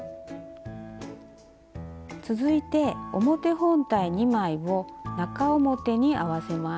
続いて表本体２枚を中表に合わせます。